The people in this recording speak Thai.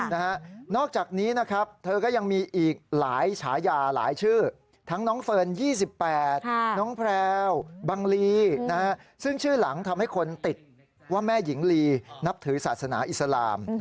นอกจากนี้นะครับเธอก็ยังมีอีกหลายฉายาหลายชื่อทั้งน้องเฟิร์น๒๘น้องแพรวบังลีนะฮะซึ่งชื่อหลังทำให้คนติดว่าแม่หญิงลีนับถือศาสนาอิสลาม